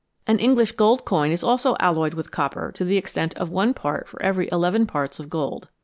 An English gold coin is also alloyed with copper to the extent of 1 part for every 11 parts of gold.